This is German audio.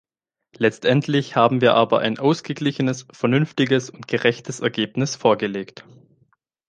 Letztendlich haben wir aber ein ausgeglichenes, vernünftiges und gerechtes Ergebnis vorgelegt.